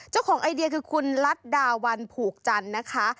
เจ้าของไอเดียคือคุณลัทดาวันผูกจันนะคะ